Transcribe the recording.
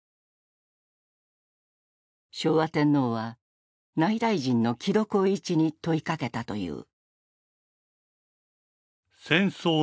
昭和天皇は内大臣の木戸幸一に問いかけたという。